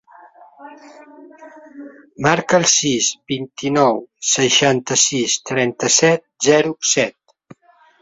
Marca el sis, vint-i-nou, seixanta-sis, trenta-set, zero, set.